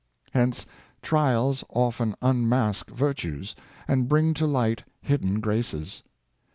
Hence trials often unmask virtues, and bring to light hidden graces.